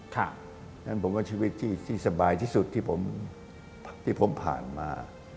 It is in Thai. เพราะฉะนั้นผมว่าชีวิตที่สบายที่สุดที่ผมผ่านมา